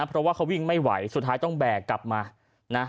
เพราะว่าเขาวิ่งไม่ไหวสุดท้ายต้องแบกกลับมานะ